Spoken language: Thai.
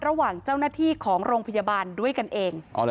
ระหว่างเจ้าหน้าที่ของโรงพยาบาลด้วยกันเอง